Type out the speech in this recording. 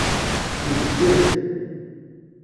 Ibeddel.